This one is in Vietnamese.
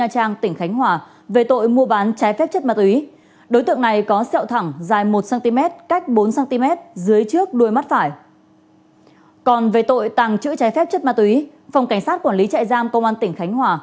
bằng chữ trái phép chất ma túy phòng cảnh sát quản lý trại giam công an tỉnh khánh hòa